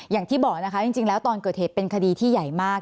อย่างที่บอกนะคะจริงแล้วตอนเกิดเหตุเป็นคดีที่ใหญ่มาก